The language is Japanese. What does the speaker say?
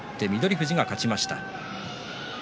富士が勝ちました。